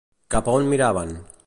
Cap a on miraven?